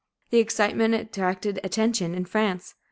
The excitement attracted attention in France.